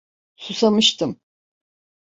Susamıştım.